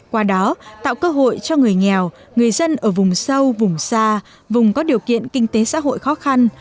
qua đó tạo cơ hội cho người nghèo người dân ở vùng sâu vùng xa vùng có điều kiện kinh tế xã hội khó khăn